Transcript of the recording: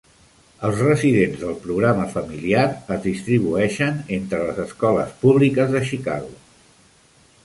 Els residents del programa familiar es distribueixen entre les escoles públiques de Chicago.